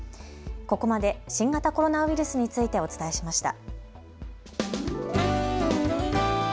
ここまで新型コロナウイルスについてお伝えしました。